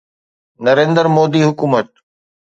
نريندر مودي حڪومت